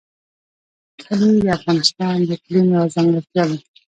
کلي د افغانستان د اقلیم یوه ځانګړتیا ده.